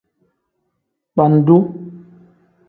Bendu.